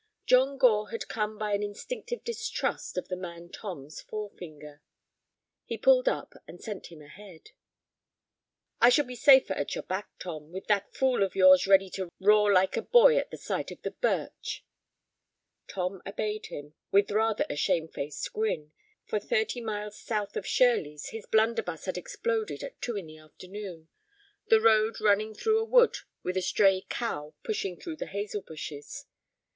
John Gore had come by an instinctive distrust of the man Tom's forefinger. He pulled up, and sent him ahead. "I shall be safer at your back, Tom, with that tool of yours ready to roar like a boy at the sight of the birch." Tom obeyed him with rather a shamefaced grin, for thirty miles south of Shirleys his blunderbuss had exploded at two in the afternoon, the road running through a wood with a stray cow pushing through the hazel bushes.